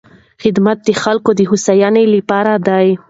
خدمت د خلکو د هوساینې لپاره دی.